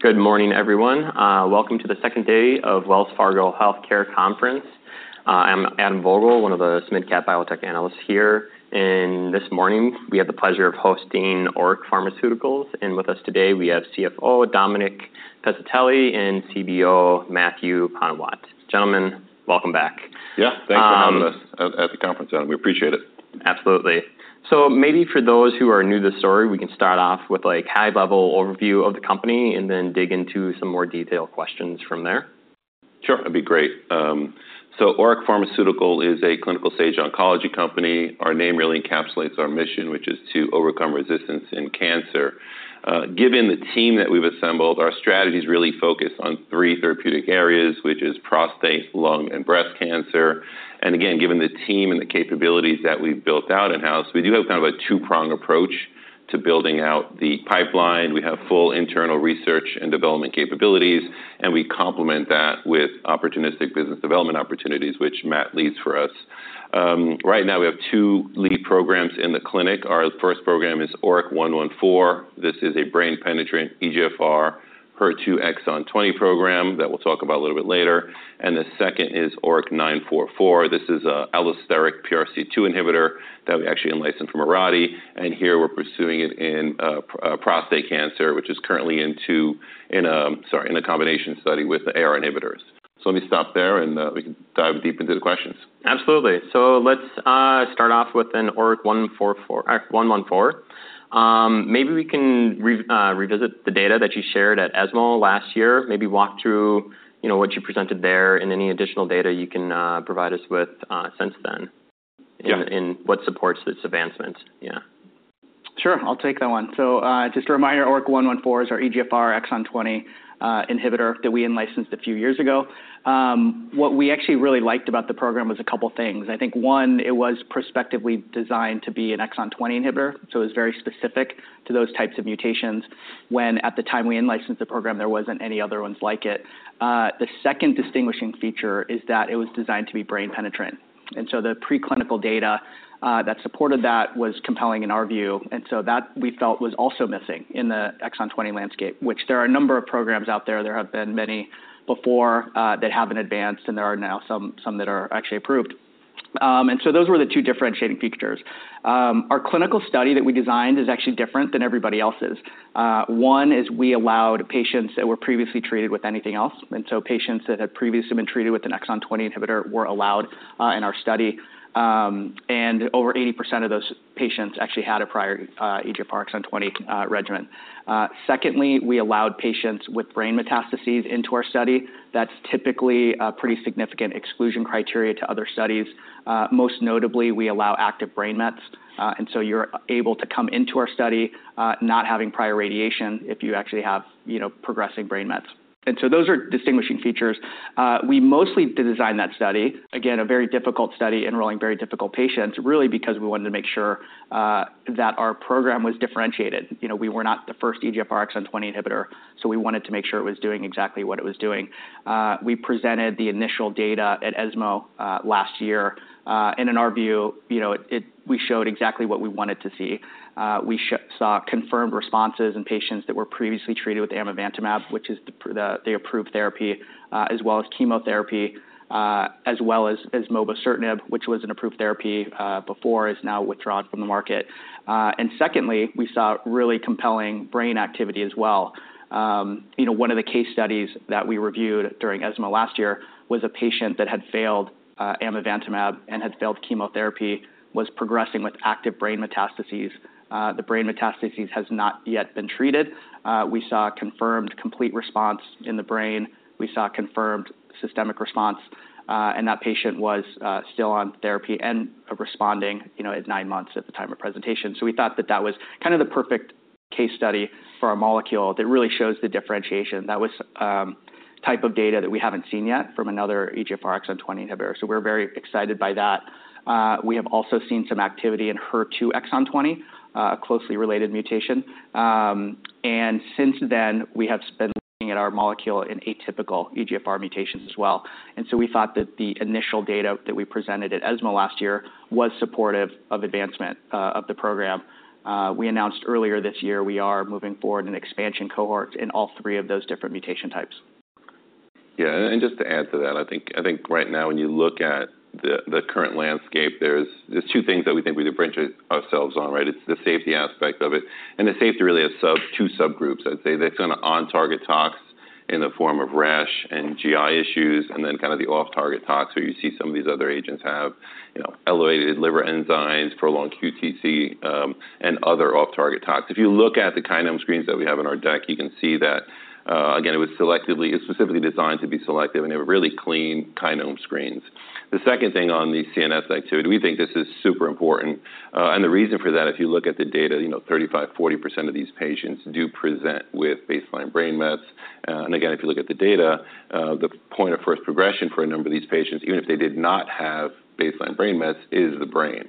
Good morning, everyone. Welcome to the second day of Wells Fargo Healthcare Conference. I'm Adam Vogel, one of the mid-cap biotech analysts here, and this morning, we have the pleasure of hosting ORIC Pharmaceuticals. And with us today, we have CFO Dominic Piscitelli and CBO Matthew Panuwat. Gentlemen, welcome back. Yeah, thanks for having us at the conference, Adam. We appreciate it. Absolutely. So maybe for those who are new to the story, we can start off with, like, high-level overview of the company and then dig into some more detailed questions from there. Sure, that'd be great. ORIC Pharmaceuticals is a clinical-stage oncology company. Our name really encapsulates our mission, which is to overcome resistance in cancer. Given the team that we've assembled, our strategy is really focused on three therapeutic areas, which is prostate, lung, and breast cancer. And again, given the team and the capabilities that we've built out in-house, we do have kind of a two-prong approach to building out the pipeline. We have full internal research and development capabilities, and we complement that with opportunistic business development opportunities, which Matt leads for us. Right now, we have two lead programs in the clinic. Our first program is ORIC-114. This is a brain-penetrant EGFR/HER2 exon 20 program that we'll talk about a little bit later, and the second is ORIC-944. This is an allosteric PRC2 inhibitor that we actually in-licensed from Mirati, and here we're pursuing it in prostate cancer, which is currently in a combination study with the AR inhibitors. So let me stop there, and we can dive deep into the questions. Absolutely. So let's start off with ORIC-114. Maybe we can revisit the data that you shared at ESMO last year. Maybe walk through, you know, what you presented there and any additional data you can provide us with since then- Yeah What supports this advancement? Yeah. Sure, I'll take that one. So, just a reminder, ORIC-114 is our EGFR exon 20, inhibitor that we in-licensed a few years ago. What we actually really liked about the program was a couple things. I think, one, it was prospectively designed to be an exon 20 inhibitor, so it was very specific to those types of mutations, when at the time we in-licensed the program, there wasn't any other ones like it. The second distinguishing feature is that it was designed to be brain-penetrant, and so the preclinical data, that supported that was compelling in our view, and so that we felt was also missing in the exon 20 landscape, which there are a number of programs out there. There have been many before, that haven't advanced, and there are now some that are actually approved. And so those were the two differentiating features. Our clinical study that we designed is actually different than everybody else's. One is we allowed patients that were previously treated with anything else, and so patients that had previously been treated with an exon 20 inhibitor were allowed in our study. And over 80% of those patients actually had a prior EGFR exon 20 regimen. Secondly, we allowed patients with brain metastases into our study. That's typically a pretty significant exclusion criteria to other studies. Most notably, we allow active brain mets, and so you're able to come into our study not having prior radiation if you actually have, you know, progressing brain mets. And so those are distinguishing features. We mostly designed that study, again, a very difficult study, enrolling very difficult patients, really because we wanted to make sure that our program was differentiated. You know, we were not the first EGFR exon 20 inhibitor, so we wanted to make sure it was doing exactly what it was doing. We presented the initial data at ESMO last year, and in our view, you know, we showed exactly what we wanted to see. We saw confirmed responses in patients that were previously treated with amivantamab, which is the approved therapy, as well as chemotherapy, as well as mobocertinib, which was an approved therapy before, is now withdrawn from the market. And secondly, we saw really compelling brain activity as well. You know, one of the case studies that we reviewed during ESMO last year was a patient that had failed amivantamab and had failed chemotherapy, was progressing with active brain metastases. The brain metastases has not yet been treated. We saw a confirmed complete response in the brain. We saw a confirmed systemic response, and that patient was still on therapy and responding, you know, at nine months at the time of presentation. So we thought that that was kind of the perfect case study for our molecule that really shows the differentiation. That was type of data that we haven't seen yet from another EGFR exon 20 inhibitor, so we're very excited by that. We have also seen some activity in HER2 exon 20, a closely related mutation, and since then, we have been looking at our molecule in atypical EGFR mutations as well, and so we thought that the initial data that we presented at ESMO last year was supportive of advancement of the program. We announced earlier this year we are moving forward in expansion cohorts in all three of those different mutation types. Yeah, and just to add to that, I think right now, when you look at the current landscape, there's two things that we think we differentiate ourselves on, right? It's the safety aspect of it, and the safety really is sub two subgroups. I'd say that's kind of on-target tox in the form of rash and GI issues, and then kind of the off-target tox, where you see some of these other agents have, you know, elevated liver enzymes, prolonged QTc, and other off-target tox. If you look at the kinome screens that we have on our deck, you can see that, again, it's specifically designed to be selective, and they were really clean kinome screens. The second thing on the CNS activity, we think this is super important, and the reason for that, if you look at the data, you know, 35-40% of these patients do present with baseline brain mets. And again, if you look at the data, the point of first progression for a number of these patients, even if they did not have baseline brain mets, is the brain.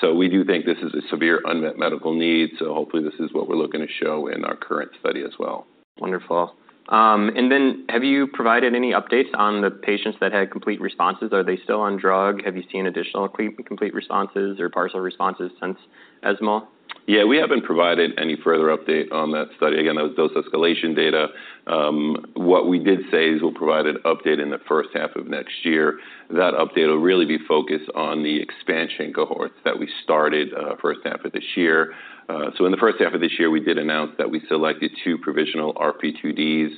So we do think this is a severe unmet medical need, so hopefully, this is what we're looking to show in our current study as well. Wonderful. Have you provided any updates on the patients that had complete responses? Are they still on drug? Have you seen additional complete responses or partial responses since ESMO? Yeah, we haven't provided any further update on that study. Again, that was dose escalation data. What we did say is we'll provide an update in the first half of next year. That update will really be focused on the expansion cohorts that we started first half of this year. So in the first half of this year, we did announce that we selected two provisional RP2Ds.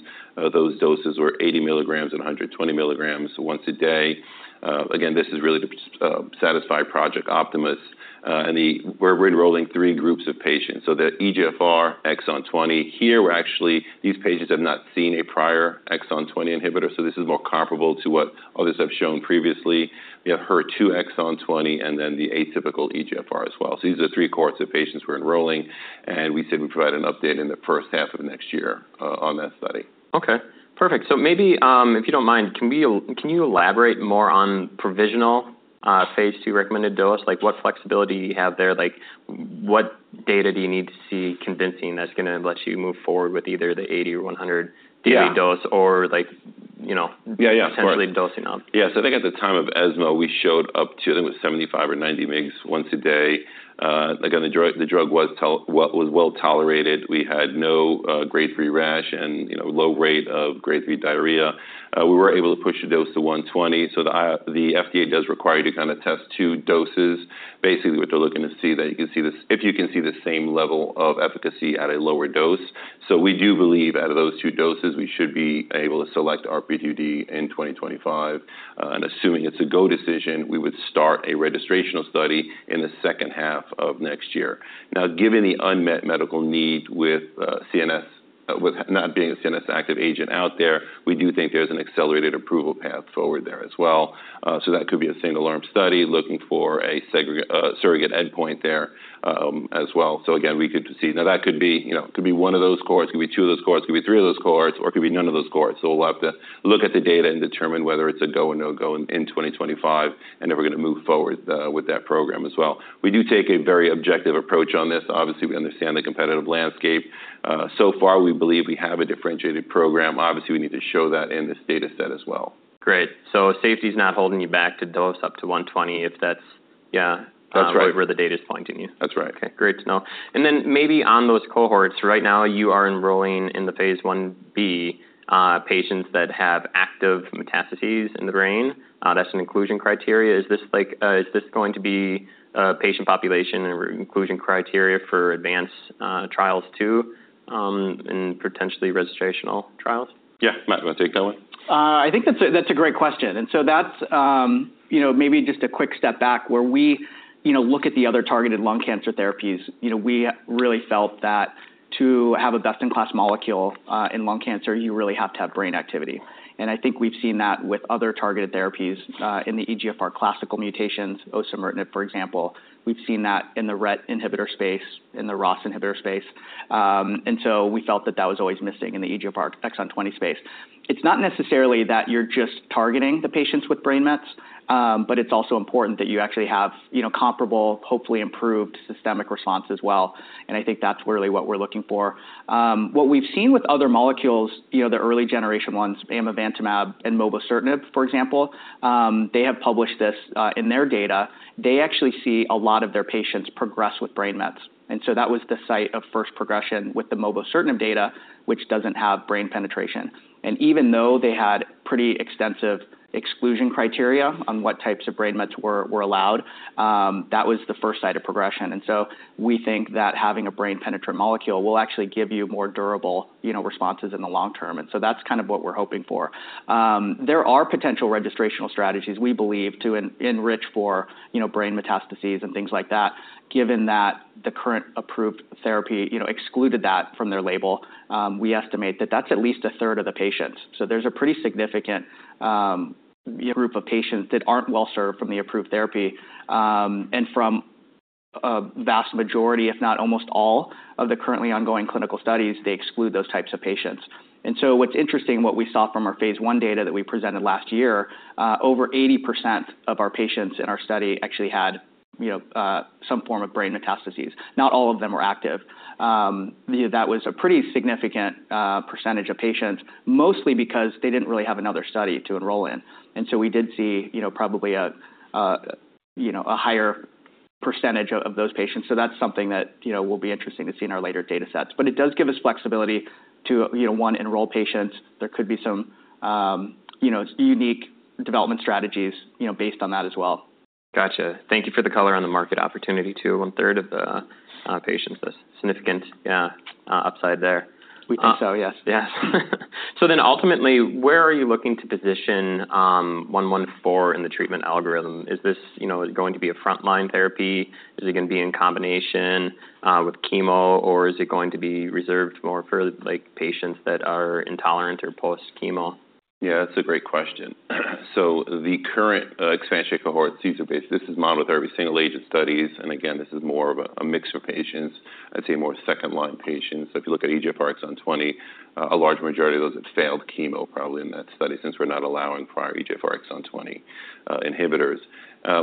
Those doses were 80 milligrams and 120 milligrams once a day. Again, this is really to satisfy Project Optimist, and we're enrolling three groups of patients, so the EGFR exon 20. Here, we're actually, these patients have not seen a prior exon 20 inhibitor, so this is more comparable to what others have shown previously. We have HER2 exon 20, and then the atypical EGFR as well. So these are the three cohorts of patients we're enrolling, and we said we'd provide an update in the first half of next year, on that study. Okay, perfect. So maybe, if you don't mind, can you elaborate more on provisional phase two recommended dose? Like, what flexibility you have there? Like, what data do you need to see convincing that's going to let you move forward with either the 80 or 100 Yeah daily dose, or like, you know- Yeah, yeah. Potentially dosing up? Yes. I think at the time of ESMO, we showed up to, I think, it was 75 or 90 mg once a day. Again, the drug was well tolerated. We had no grade three rash and, you know, low rate of grade three diarrhea. We were able to push the dose to 120, so the FDA does require you to kind of test two doses. Basically, what they're looking to see, that you can see if you can see the same level of efficacy at a lower dose. So we do believe out of those two doses, we should be able to select RP2D in 2025. And assuming it's a go decision, we would start a registrational study in the second half of next year. Now, given the unmet medical need with CNS. With not being a CNS active agent out there, we do think there's an accelerated approval path forward there as well. So that could be a single arm study, looking for a surrogate endpoint there, as well. So again, we could see. Now, that could be, you know, could be one of those cohorts, could be two of those cohorts, could be three of those cohorts, or could be none of those cohorts. So we'll have to look at the data and determine whether it's a go or no go in 2025, and then we're going to move forward with that program as well. We do take a very objective approach on this. Obviously, we understand the competitive landscape. So far, we believe we have a differentiated program. Obviously, we need to show that in this data set as well. Great. So safety is not holding you back to dose up to 120 if that's, yeah- That's right. where the data is pointing you? That's right. Okay, great to know. And then maybe on those cohorts, right now, you are phase I-B, patients that have active metastases in the brain. That's an inclusion criteria. Is this like, is this going to be a patient population or inclusion criteria for advanced trials, too, and potentially registrational trials? Yeah. Matt, you want to take that one? I think that's a great question, and so that's you know maybe just a quick step back where we you know look at the other targeted lung cancer therapies. You know we really felt that to have a best-in-class molecule in lung cancer you really have to have brain activity. And I think we've seen that with other targeted therapies in the EGFR classical mutations osimertinib for example. We've seen that in the RET inhibitor space in the ROS inhibitor space, and so we felt that that was always missing in the EGFR exon 20 space. It's not necessarily that you're just targeting the patients with brain mets but it's also important that you actually have you know comparable hopefully improved systemic response as well. And I think that's really what we're looking for. What we've seen with other molecules, you know, the early generation ones, amivantamab and mobocertinib, for example, they have published this in their data. They actually see a lot of their patients progress with brain mets. And so that was the site of first progression with the mobocertinib data, which doesn't have brain penetration. And even though they had pretty extensive exclusion criteria on what types of brain mets were allowed, that was the first site of progression. And so we think that having a brain-penetrant molecule will actually give you more durable, you know, responses in the long term. And so that's kind of what we're hoping for. There are potential registrational strategies, we believe, to enrich for, you know, brain metastases and things like that, given that the current approved therapy, you know, excluded that from their label. We estimate that that's at least a third of the patients. So there's a pretty significant group of patients that aren't well served from the approved therapy. And from a vast majority, if not almost all, of the currently ongoing clinical studies, they exclude those types of patients. And so what's interesting, what we saw from phase I data that we presented last year, over 80% of our patients in our study actually had you know some form of brain metastases. Not all of them were active. That was a pretty significant percentage of patients, mostly because they didn't really have another study to enroll in. And so we did see you know probably a higher percentage of those patients. So that's something that you know will be interesting to see in our later data sets. But it does give us flexibility to, you know, one, enroll patients. There could be some, you know, unique development strategies, you know, based on that as well. Gotcha. Thank you for the color on the market opportunity, too. One third of the patients, that's significant, yeah, upside there. We think so, yes. Yes, so then ultimately, where are you looking to position 944 in the treatment algorithm? Is this, you know, going to be a frontline therapy? Is it going to be in combination with chemo, or is it going to be reserved more for, like, patients that are intolerant or post-chemo? Yeah, that's a great question. So the current expansion cohort patient base, this is monotherapy, single-agent studies, and again, this is more of a mix of patients. I'd say more second-line patients. If you look at EGFR exon 20, a large majority of those have failed chemo, probably in that study, since we're not allowing prior EGFR exon 20 inhibitors.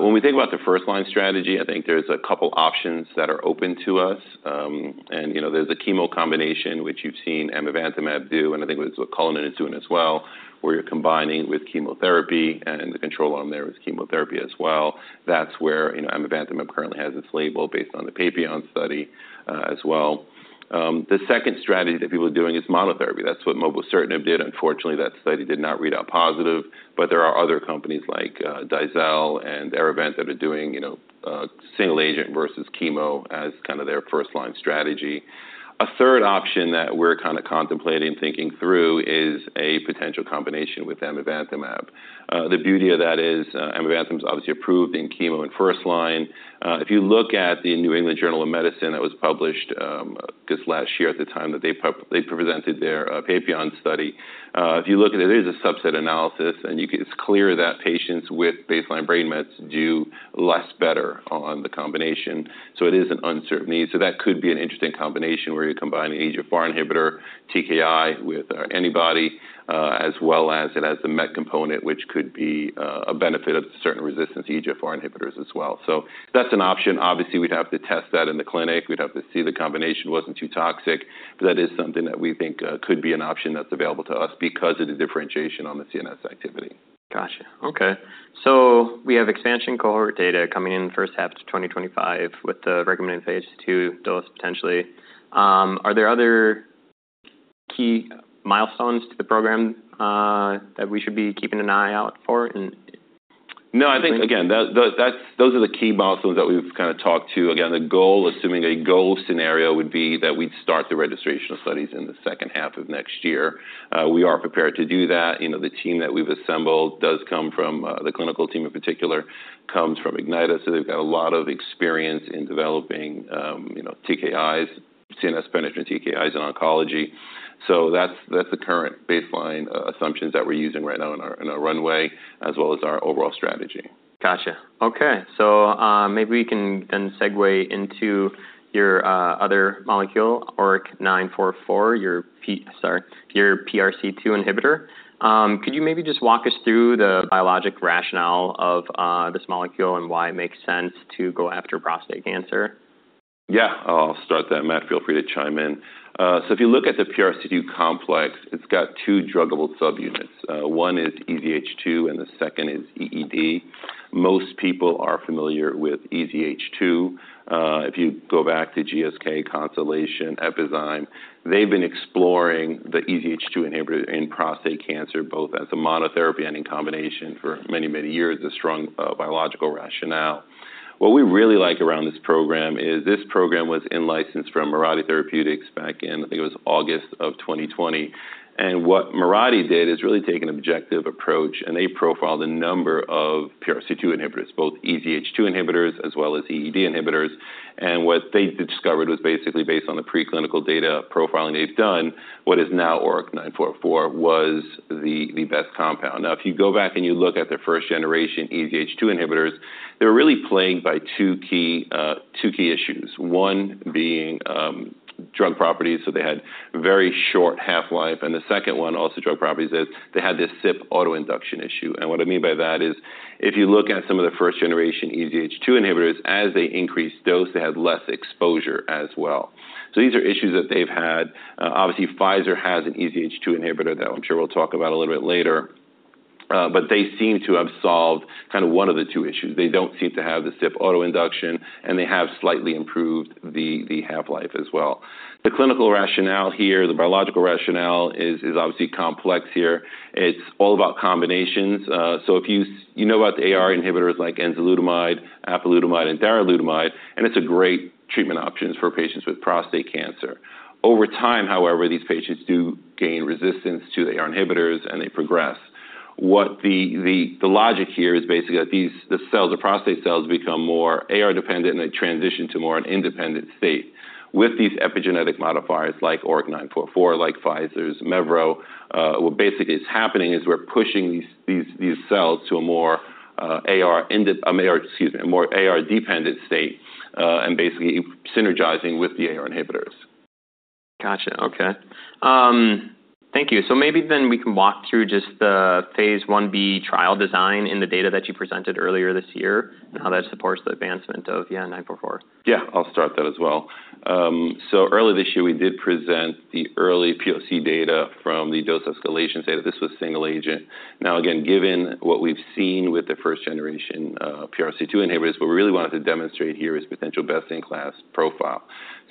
When we think about the first-line strategy, I think there's a couple options that are open to us, and you know, there's a chemo combination, which you've seen amivantamab do, and I think that's what Cullinan is doing as well, where you're combining with chemotherapy, and the control arm there is chemotherapy as well. That's where, you know, amivantamab currently has its label based on the PAPILLON study, as well. The second strategy that people are doing is monotherapy. That's what mobocertinib did. Unfortunately, that study did not read out positive, but there are other companies like Dizal and ArriVent that are doing, you know, single agent versus chemo as kind of their first-line strategy. A third option that we're kind of contemplating thinking through is a potential combination with amivantamab. The beauty of that is, amivantamab is obviously approved in chemo and first line. If you look at the New England Journal of Medicine that was published just last year at the time that they presented their PAPILLON study, if you look at it, it is a subset analysis, and you can, it's clear that patients with baseline brain mets do less well on the combination, so it is an unmet need. So that could be an interesting combination, where you combine an EGFR inhibitor, TKI, with an antibody, as well as it has the MET component, which could be a benefit of certain resistance to EGFR inhibitors as well. So that's an option. Obviously, we'd have to test that in the clinic. We'd have to see the combination wasn't too toxic, but that is something that we think could be an option that's available to us because of the differentiation on the CNS activity. Gotcha. Okay. So we have expansion cohort data coming in first half of 2025 with the recommended phase II dose, potentially. Are there other key milestones to the program, that we should be keeping an eye out for in? No, I think again, that those are the key milestones that we've kind of talked to. Again, the goal, assuming a goal scenario, would be that we'd start the registrational studies in the second half of next year. We are prepared to do that. You know, the team that we've assembled does come from, the clinical team in particular, comes from Ignyta, so they've got a lot of experience in developing, you know, TKIs, CNS penetration TKIs in oncology. So that's, that's the current baseline, assumptions that we're using right now in our, in our runway, as well as our overall strategy. Gotcha. Okay. So, maybe we can then segue into your other molecule, ORIC-944, your... Sorry, your PRC2 inhibitor. Could you maybe just walk us through the biologic rationale of this molecule and why it makes sense to go after prostate cancer? Yeah, I'll start that. Matt, feel free to chime in. So if you look at the PRC2 complex, it's got two druggable subunits. One is EZH2, and the second is EED. Most people are familiar with EZH2. If you go back to GSK, Constellation, Epizyme, they've been exploring the EZH2 inhibitor in prostate cancer, both as a monotherapy and in combination for many, many years, a strong biological rationale. What we really like around this program is this program was in-licensed from Mirati Therapeutics back in, I think it was August of twenty twenty, and what Mirati did is really take an objective approach, and they profiled a number of PRC2 inhibitors, both EZH2 inhibitors as well as EED inhibitors, and what they discovered was basically based on the preclinical data profiling they've done, what is now ORIC-944, was the best compound. Now, if you go back and you look at their first-generation EZH2 inhibitors, they were really plagued by two key issues, one being drug properties, so they had very short half-life, and the second one, also drug properties, is they had this CYP autoinduction issue, and what I mean by that is, if you look at some of the first-generation EZH2 inhibitors, as they increase dose, they have less exposure as well. So these are issues that they've had. Obviously, Pfizer has an EZH2 inhibitor that I'm sure we'll talk about a little bit later, but they seem to have solved kind of one of the two issues. They don't seem to have the CYP autoinduction, and they have slightly improved the half-life as well. The clinical rationale here, the biological rationale is obviously complex here. It's all about combinations. So if you know about the AR inhibitors like enzalutamide, apalutamide, and darolutamide, and it's a great treatment options for patients with prostate cancer. Over time, however, these patients do gain resistance to the AR inhibitors, and they progress. What the logic here is basically that these prostate cells become more AR-dependent, and they transition to more an independent state. With these epigenetic modifiers like ORIC-944, like Pfizer's Mevo, what basically is happening is we're pushing these cells to a more AR-dependent state, and basically synergizing with the AR inhibitors. Gotcha. Okay. Thank you. So maybe then we can walk phase I-B trial design in the data that you presented earlier this year, and how that supports the advancement of the ORIC-944. Yeah, I'll start that as well. So early this year, we did present the early POC data from the dose escalation study. This was single agent. Now, again, given what we've seen with the first generation PRC2 inhibitors, what we really wanted to demonstrate here is potential best-in-class profile.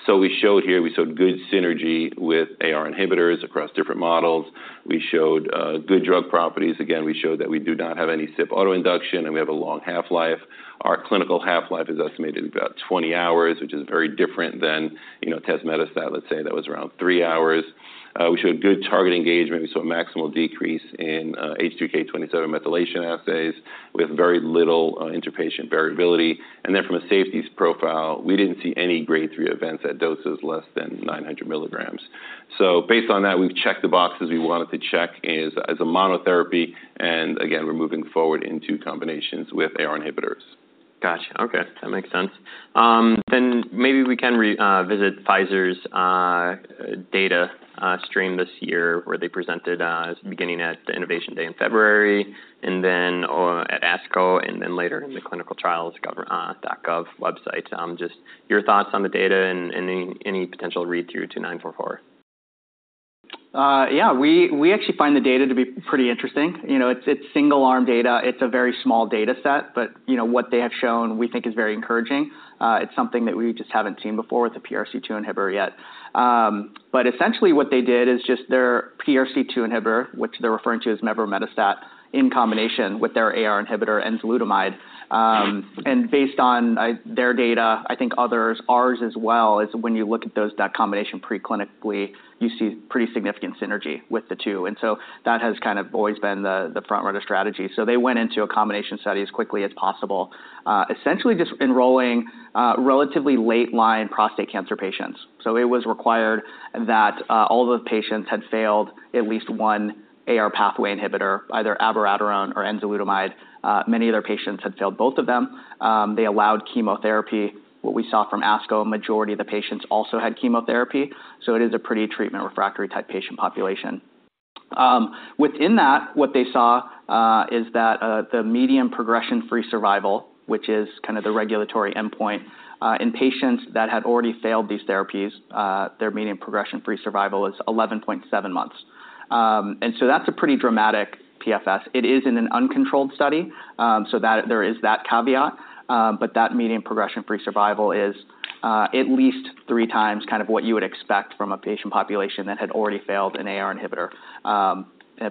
So we showed here, we showed good synergy with AR inhibitors across different models. We showed good drug properties. Again, we showed that we do not have any CYP autoinduction, and we have a long half-life. Our clinical half-life is estimated at about twenty hours, which is very different than, you know, tazemetostat, let's say, that was around three hours. We showed good target engagement. We saw a maximal decrease in H3K27 methylation assays with very little interpatient variability. And then from a safety profile, we didn't see any grade 3 events at doses less than 900 milligrams. Based on that, we've checked the boxes we wanted to check as a monotherapy, and again, we're moving forward into combinations with AR inhibitors. Gotcha. Okay, that makes sense. Then maybe we can revisit Pfizer's data stream this year, where they presented beginning at the Innovation Day in February, and then at ASCO, and then later in the ClinicalTrials.gov website. Just your thoughts on the data and any potential readthrough to nine four four. Yeah, we actually find the data to be pretty interesting. You know, it's single arm data. It's a very small data set, but, you know, what they have shown, we think is very encouraging. It's something that we just haven't seen before with the PRC2 inhibitor yet, but essentially what they did is just their PRC2 inhibitor, which they're referring to as mevorametostat, in combination with their AR inhibitor, enzalutamide. And based on their data, I think others, ours as well, is when you look at those, that combination preclinically, you see pretty significant synergy with the two, and so that has kind of always been the front runner strategy. So they went into a combination study as quickly as possible, essentially just enrolling relatively late-line prostate cancer patients. So it was required that, all the patients had failed at least one AR pathway inhibitor, either abiraterone or enzalutamide. Many of their patients had failed both of them. They allowed chemotherapy. What we saw from ASCO, a majority of the patients also had chemotherapy, so it is a pretty treatment-refractory type patient population. Within that, what they saw is that, the median progression-free survival, which is kind of the regulatory endpoint, in patients that had already failed these therapies, their median progression-free survival is 11.7 months. And so that's a pretty dramatic PFS. It is in an uncontrolled study, so that. There is that caveat, but that median progression-free survival is, at least three times kind of what you would expect from a patient population that had already failed an AR inhibitor,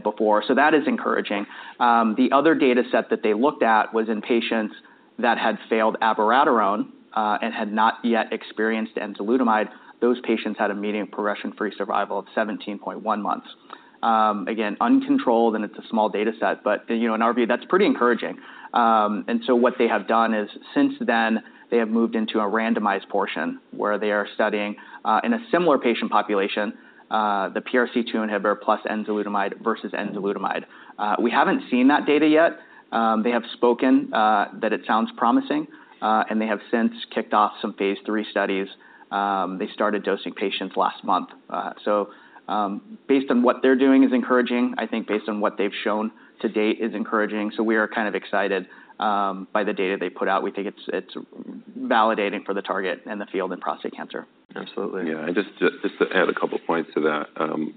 before. So that is encouraging. The other dataset that they looked at was in patients that had failed abiraterone, and had not yet experienced enzalutamide. Those patients had a median progression-free survival of 17.1 months. Again, uncontrolled, and it's a small dataset, but, you know, in our view, that's pretty encouraging. And so what they have done is, since then, they have moved into a randomized portion, where they are studying, in a similar patient population, the PRC2 inhibitor plus enzalutamide versus enzalutamide. We haven't seen that data yet. They have spoken, that it sounds promising, and they have since kicked off some phase III studies. They started dosing patients last month. So, based on what they're doing is encouraging. I think based on what they've shown to date is encouraging, so we are kind of excited by the data they put out. We think it's validating for the target and the field in prostate cancer. Absolutely. Yeah, and just to add a couple points to that.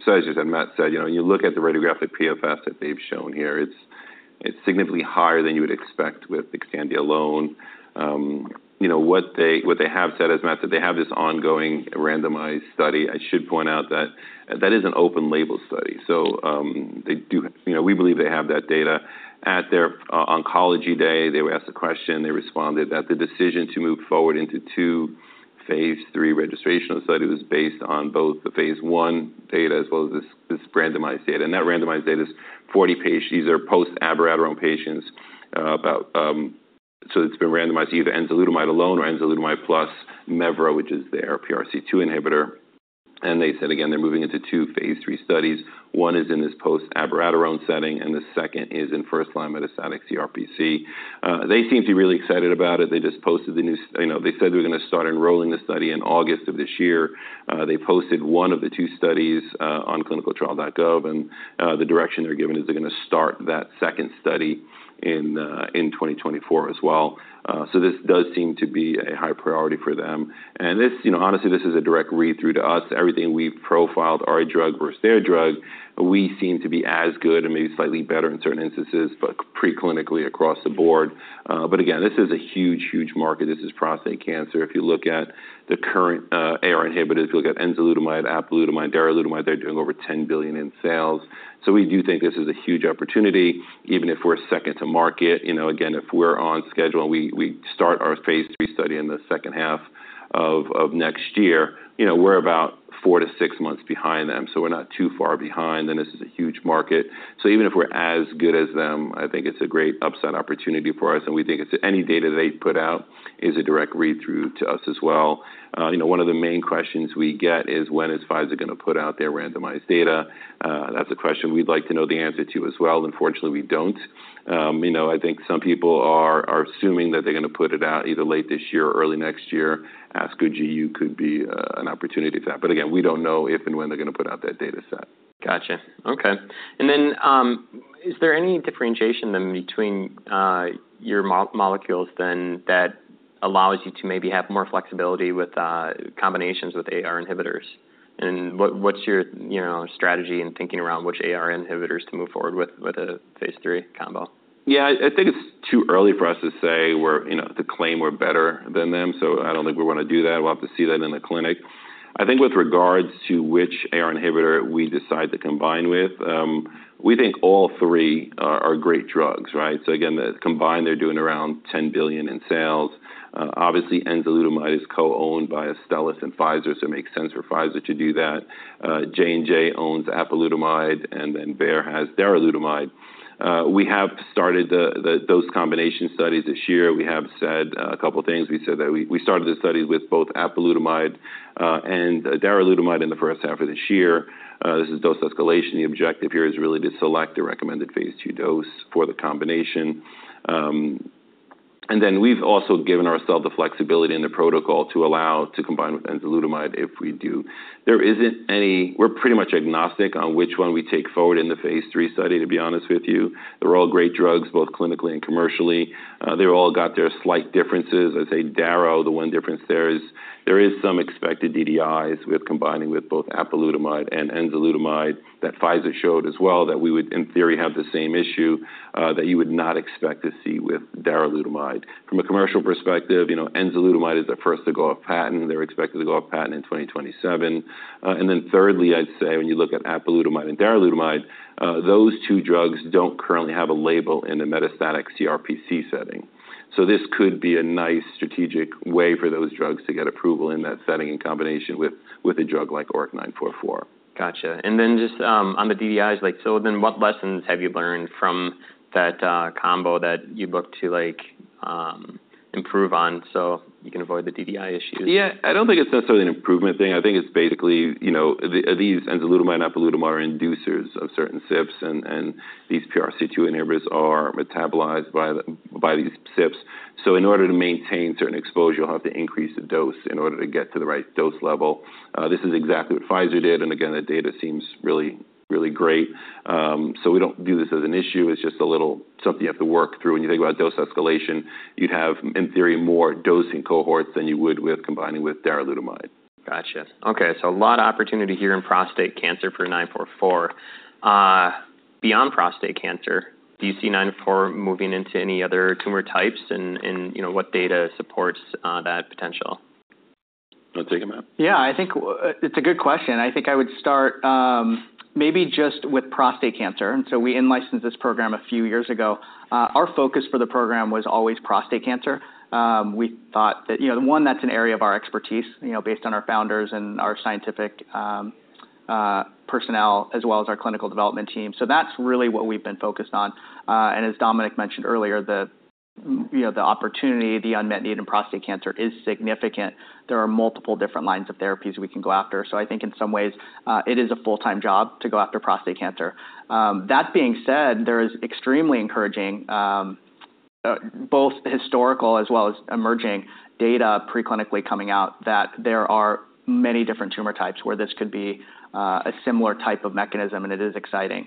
So as you said, Matt said, you know, you look at the radiographic PFS that they've shown here, it's significantly higher than you would expect with Xtandi alone. You know, what they have said, as Matt said, they have this ongoing randomized study. I should point out that that is an open label study, so they do... You know, we believe they have that data. At their oncology day, they were asked a question, they responded that the decision to move forward into two phase III registrational study was based on both phase I data as well as this randomized data. And that randomized data is 40 patients. These are post-abiraterone patients, about... So it's been randomized to either enzalutamide alone or enzalutamide plus mevo, which is their PRC2 inhibitor. And they said, again, they're moving into two phase III studies. One is in this post-abiraterone setting, and the second is in first-line metastatic CRPC. They seem to be really excited about it. They just posted the new. You know, they said they were gonna start enrolling the study in August of this year. They posted one of the two studies on ClinicalTrials.gov, and the direction they're giving is they're gonna start that second study in 2024 as well. So this does seem to be a high priority for them. And this, you know, honestly, this is a direct read-through to us. Everything we've profiled, our drug versus their drug, we seem to be as good and maybe slightly better in certain instances, but preclinically across the board. But again, this is a huge, huge market. This is prostate cancer. If you look at the current AR inhibitors, if you look at enzalutamide, apalutamide, darolutamide, they're doing over $10 billion in sales. So we do think this is a huge opportunity, even if we're second to market. You know, again, if we're on schedule and we start our phase III study in the second half of next year, you know, we're about four-to-six months behind them, so we're not too far behind, and this is a huge market. So even if we're as good as them, I think it's a great upside opportunity for us, and we think it's any data they put out is a direct read-through to us as well. You know, one of the main questions we get is, "When is Pfizer gonna put out their randomized data?" That's a question we'd like to know the answer to as well. Unfortunately, we don't. You know, I think some people are assuming that they're gonna put it out either late this year or early next year. ASCO GU could be an opportunity for that. But again, we don't know if and when they're gonna put out that dataset. Gotcha. Okay. And then, is there any differentiation then between your molecules, then, that allows you to maybe have more flexibility with combinations with AR inhibitors? And what's your, you know, strategy and thinking around which AR inhibitors to move forward with, with a phase III combo? Yeah, I think it's too early for us to say we're... You know, to claim we're better than them, so I don't think we want to do that. We'll have to see that in the clinic. I think with regards to which AR inhibitor we decide to combine with, we think all three are great drugs, right? So again, the... Combined, they're doing around $10 billion in sales. Obviously, enzalutamide is co-owned by Astellas and Pfizer, so it makes sense for Pfizer to do that. J&J owns apalutamide, and then Bayer has darolutamide. We have started those combination studies this year. We have said a couple things. We said that we started the studies with both apalutamide and darolutamide in the first half of this year. This is dose escalation. The objective here is really to select the recommended phase II dose for the combination. And then we've also given ourselves the flexibility in the protocol to allow to combine with enzalutamide if we do. We're pretty much agnostic on which one we take forward in the phase III study, to be honest with you. They're all great drugs, both clinically and commercially. They've all got their slight differences. I'd say daro, the one difference there is some expected DDIs with combining with both apalutamide and enzalutamide that Pfizer showed as well, that we would, in theory, have the same issue that you would not expect to see with darolutamide. From a commercial perspective, you know, enzalutamide is the first to go off patent. They're expected to go off patent in 2027. And then thirdly, I'd say when you look at apalutamide and darolutamide, those two drugs don't currently have a label in the metastatic CRPC setting. So this could be a nice strategic way for those drugs to get approval in that setting, in combination with a drug like ORIC-944. Gotcha. And then just, on the DDIs, like, so then what lessons have you learned from that combo that you look to like improve on so you can avoid the DDI issues? Yeah, I don't think it's necessarily an improvement thing. I think it's basically, you know, these enzalutamide and apalutamide are inducers of certain CYPs and these PRC2 inhibitors are metabolized by these CYPs. So in order to maintain certain exposure, you'll have to increase the dose in order to get to the right dose level. This is exactly what Pfizer did, and again, that data seems really, really great. So we don't view this as an issue. It's just a little something you have to work through. When you think about dose escalation, you'd have, in theory, more dosing cohorts than you would with combining with darolutamide. Gotcha. Okay, so a lot of opportunity here in prostate cancer for ORIC-944. Beyond prostate cancer, do you see ORIC-944 moving into any other tumor types and, you know, what data supports that potential? Wanna take it, Matt? Yeah, I think it, it's a good question, and I think I would start, maybe just with prostate cancer. And so we in-licensed this program a few years ago. Our focus for the program was always prostate cancer. We thought that, you know, one, that's an area of our expertise, you know, based on our founders and our scientific personnel, as well as our clinical development team. So that's really what we've been focused on. And as Dominic mentioned earlier, you know, the opportunity, the unmet need in prostate cancer is significant. There are multiple different lines of therapies we can go after, so I think in some ways, it is a full-time job to go after prostate cancer. That being said, there is extremely encouraging, both historical as well as emerging data, pre-clinically coming out, that there are many different tumor types where this could be, a similar type of mechanism, and it is exciting.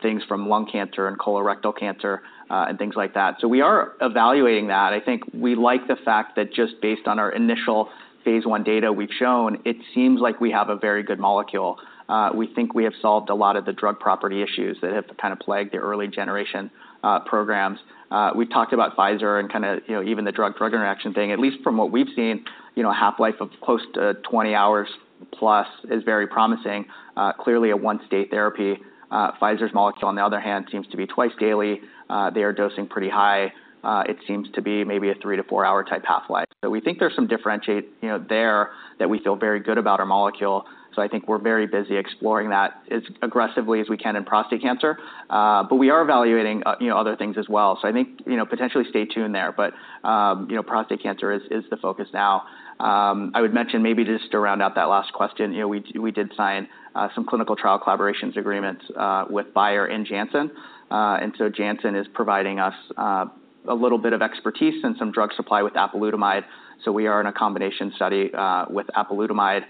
Things from lung cancer and colorectal cancer, and things like that. So we are evaluating that. I think we like the fact that just based on our phase I data we've shown, it seems like we have a very good molecule. We think we have solved a lot of the drug property issues that have kind of plagued the early generation, programs. We talked about Pfizer and kind of, you know, even the drug-drug interaction thing. At least from what we've seen, you know, a half-life of close to twenty hours plus is very promising. Clearly a once-daily therapy. Pfizer's molecule, on the other hand, seems to be twice daily. They are dosing pretty high. It seems to be maybe a three- to four-hour type half-life. So we think there's some differentiation, you know, there, that we feel very good about our molecule, so I think we're very busy exploring that as aggressively as we can in prostate cancer. But we are evaluating, you know, other things as well. So I think, you know, potentially stay tuned there. But, you know, prostate cancer is the focus now. I would mention, maybe just to round out that last question, you know, we did sign some clinical trial collaboration agreements with Bayer and Janssen. And so Janssen is providing us a little bit of expertise and some drug supply with apalutamide. So we are in a combination study with apalutamide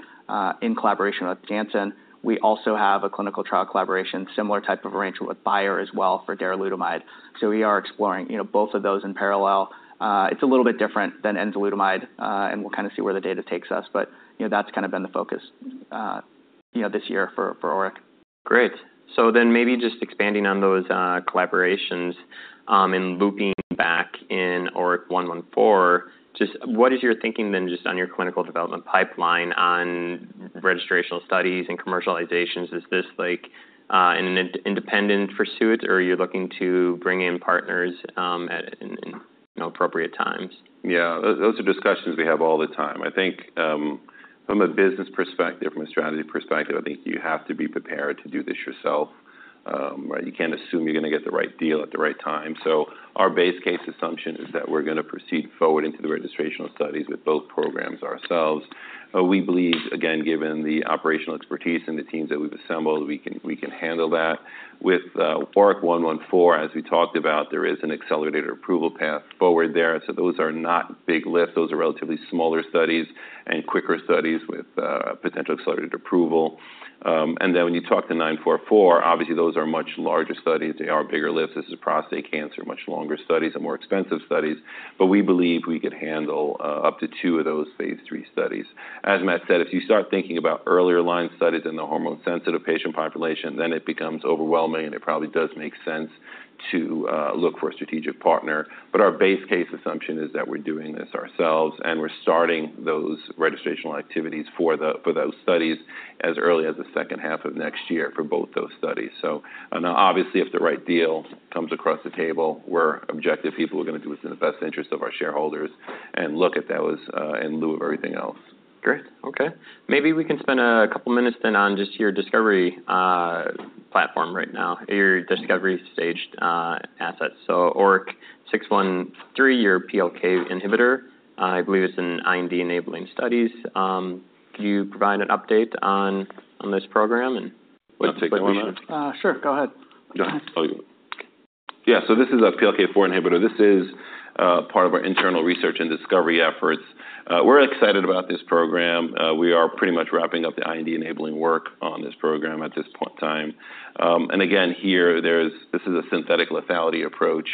in collaboration with Janssen. We also have a clinical trial collaboration, similar type of arrangement with Bayer as well for darolutamide. So we are exploring, you know, both of those in parallel. It's a little bit different than enzalutamide and we'll kind of see where the data takes us, but, you know, that's kind of been the focus, you know, this year for ORIC. Great. So then maybe just expanding on those, collaborations, and looping back in ORIC-114, what is your thinking then on your clinical development pipeline on registrational studies and commercializations? Is this like an independent pursuit, or are you looking to bring in partners, you know, at appropriate times? Yeah, those are discussions we have all the time. I think, from a business perspective, from a strategy perspective, I think you have to be prepared to do this yourself. Right, you can't assume you're gonna get the right deal at the right time. So our base case assumption is that we're gonna proceed forward into the registrational studies with both programs ourselves. We believe, again, given the operational expertise and the teams that we've assembled, we can handle that. With ORIC-114, as we talked about, there is an accelerated approval path forward there, so those are not big lifts. Those are relatively smaller studies and quicker studies with potential accelerated approval. And then when you talk to ORIC-944, obviously, those are much larger studies. They are bigger lifts. This is prostate cancer, much longer studies and more expensive studies, but we believe we could handle up to two of those phase III studies. As Matt said, if you start thinking about earlier line studies in the hormone-sensitive patient population, then it becomes overwhelming, and it probably does make sense to look for a strategic partner. But our base case assumption is that we're doing this ourselves, and we're starting those registrational activities for those studies as early as the second half of next year for both those studies. And obviously, if the right deal comes across the table, we're objective people who are gonna do what's in the best interest of our shareholders and look at those in lieu of everything else. Great. Okay. Maybe we can spend a couple minutes then on just your discovery platform right now, your discovery stage assets. So ORIC-613, your PLK inhibitor, I believe it's in IND-enabling studies. Can you provide an update on this program and- Sure. Go ahead. Go ahead. Oh, you. Yeah, so this is a PLK4 inhibitor. This is part of our internal research and discovery efforts. We're excited about this program. We are pretty much wrapping up the IND-enabling work on this program at this point in time. And again, here, this is a synthetic lethality approach.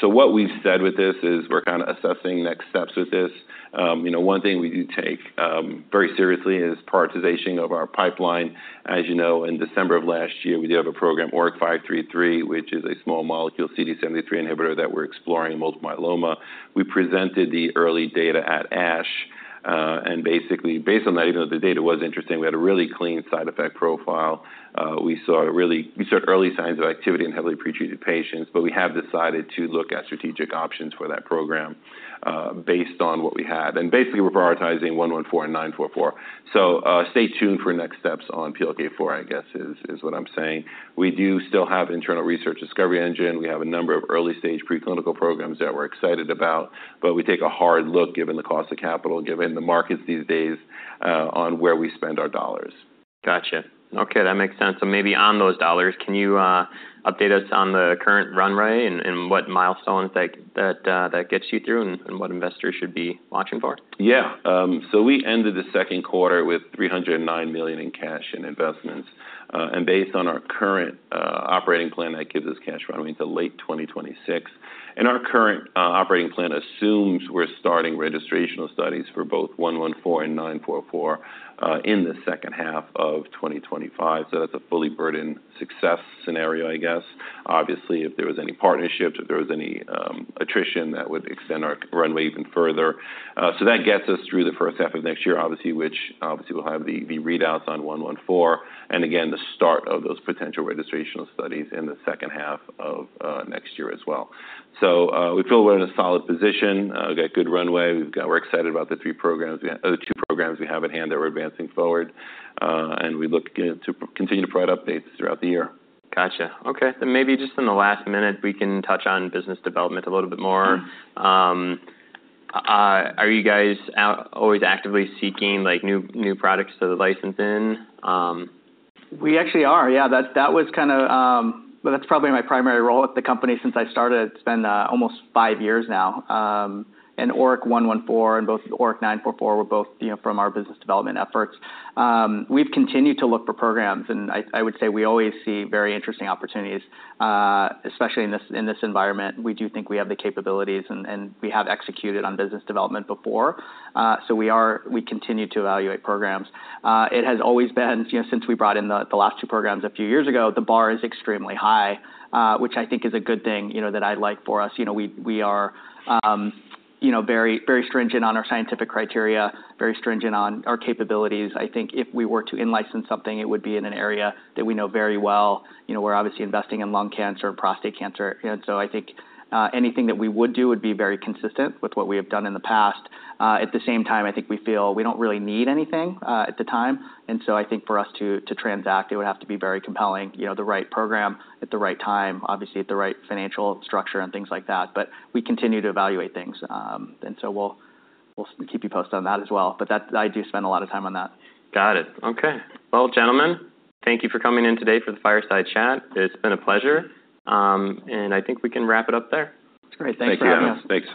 So what we've said with this is we're kind of assessing next steps with this. You know, one thing we do take very seriously is prioritization of our pipeline. As you know, in December of last year, we did have a program, ORIC-533, which is a small molecule CD73 inhibitor that we're exploring in multiple myeloma. We presented the early data at ASH. And basically, based on that, even though the data was interesting, we had a really clean side effect profile. We saw early signs of activity in heavily pretreated patients, but we have decided to look at strategic options for that program, based on what we have. Basically, we're prioritizing ORIC-114 and ORIC-944. Stay tuned for next steps on PLK4, I guess, is what I'm saying. We do still have internal research discovery engine. We have a number of early-stage preclinical programs that we're excited about, but we take a hard look, given the cost of capital, given the markets these days, on where we spend our dollars. Gotcha. Okay, that makes sense. So maybe on those dollars, can you update us on the current run rate and what milestones that gets you through and what investors should be watching for? Yeah. So we ended the second quarter with $309 million in cash and investments. And based on our current operating plan, that gives us cash running into late 2026. And our current operating plan assumes we're starting registrational studies for both ORIC-114 and ORIC-944 in the second half of 2025. So that's a fully burdened success scenario, I guess. Obviously, if there was any partnerships, if there was any attrition, that would extend our runway even further. So that gets us through the first half of next year, obviously, which obviously will have the readouts on ORIC-114, and again, the start of those potential registrational studies in the second half of next year as well. So we feel we're in a solid position. We've got good runway. We're excited about the three programs we have, the two programs we have at hand that we're advancing forward, and we look to continue to provide updates throughout the year. Gotcha. Okay, and maybe just in the last minute, we can touch on business development a little bit more. Are you guys always actively seeking, like, new products to license in? We actually are. Yeah, that was kinda. Well, that's probably my primary role at the company since I started. It's been almost five years now. And ORIC-114 and ORIC-944 were both, you know, from our business development efforts. We've continued to look for programs, and I would say we always see very interesting opportunities, especially in this environment. We do think we have the capabilities and we have executed on business development before. So we are. We continue to evaluate programs. It has always been, you know, since we brought in the last two programs a few years ago, the bar is extremely high, which I think is a good thing, you know, that I like for us. You know, we are, you know, very, very stringent on our scientific criteria, very stringent on our capabilities. I think if we were to in-license something, it would be in an area that we know very well. You know, we're obviously investing in lung cancer, prostate cancer. And so I think anything that we would do would be very consistent with what we have done in the past. At the same time, I think we feel we don't really need anything at the time. And so I think for us to transact, it would have to be very compelling, you know, the right program at the right time, obviously at the right financial structure and things like that. But we continue to evaluate things. And so we'll keep you posted on that as well. But that, I do spend a lot of time on that. Got it. Okay. Gentlemen, thank you for coming in today for the Fireside Chat. It's been a pleasure, and I think we can wrap it up there. It's great. Thanks for having us. Thank you. Thanks.